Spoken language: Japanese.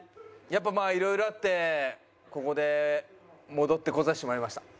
やっぱまあいろいろあってここで戻ってこざしてもらいました。